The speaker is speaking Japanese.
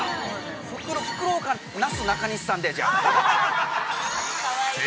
フクロウかなすなかにしさんで、じゃあ。